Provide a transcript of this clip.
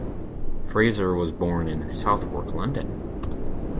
Fraser was born in Southwark, London.